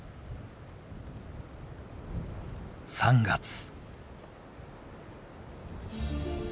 ３月。